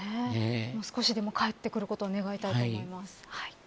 少しでも返ってくることを願いたいと思います。